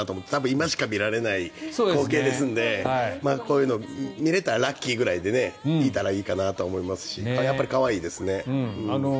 今しか見られない光景ですんでこういうのを見れたらラッキーぐらいで見たらいいかなと思いますしやっぱり可愛いですね。